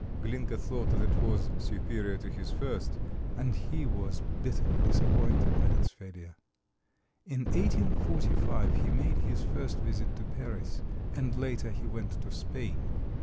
Glinka thought that it was superior to his first, and he was bitterly disappointed at its failure. In 1845 he made his first visit to Paris, and later he went to Spain.